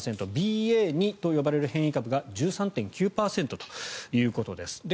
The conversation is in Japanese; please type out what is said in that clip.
ＢＡ．２と呼ばれる変異株が１３．９％ということです。